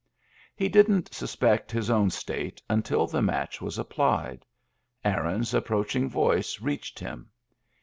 He didn't suspect his own state until the match was applied. Aaron's approaching voice reached him.